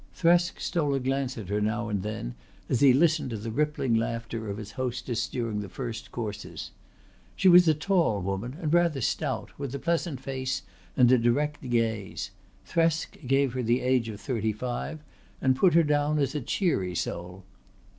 Thresk stole a glance at her now and then as he listened to the rippling laughter of his hostess during the first courses. She was a tall woman and rather stout, with a pleasant face and a direct gaze. Thresk gave her the age of thirty five and put her down as a cheery soul.